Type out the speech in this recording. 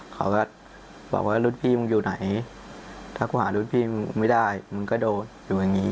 เขาก็บอกว่ารุ่นพี่มึงอยู่ไหนถ้ากูหารุ่นพี่มึงไม่ได้มึงก็โดดอยู่อย่างนี้